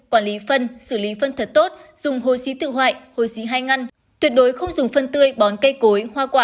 quản lý phân xử lý phân thật tốt dùng hôi xí tự hoại hôi xí hay ngăn tuyệt đối không dùng phân tươi bón cây cối hoa quả